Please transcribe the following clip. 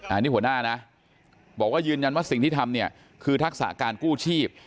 อันนี้หัวหน้านะบอกว่ายืนยันว่าสิ่งที่ทำเนี่ยคือทักษะการกู้ชีพ